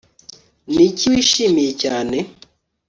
Niki wishimiye cyane